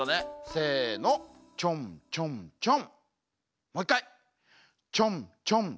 せのちょんちょんちょん。